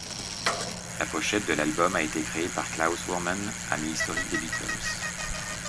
La pochette de l'album été créée par Klaus Voormann, ami historique des Beatles.